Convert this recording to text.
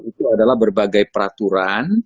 itu adalah berbagai peraturan